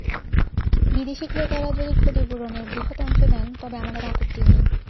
বিদেশি ক্রেতারা যদি ক্ষতিপূরণের বৃহৎ অংশ দেন, তবে আমাদের আপত্তি নেই।